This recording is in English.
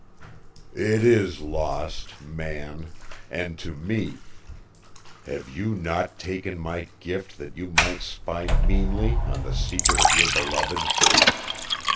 "It is lost, Man, and to me. Have you not taken my gift that you might spy meanly on the secret of your beloved?